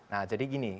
nah jadi gini